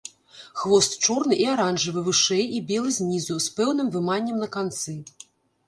Хвост чорны і аранжавы вышэй і белы знізу, з пэўным выманнем на канцы.